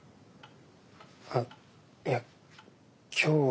あっいや今日は。